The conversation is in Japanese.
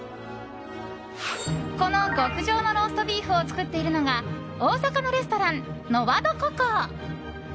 この極上のローストビーフを作っているのが大阪のレストラン、ノワドココ。